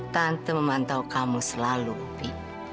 tante memantau kamu selalu upi